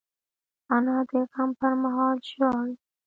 انا د غم پر مهال ژاړي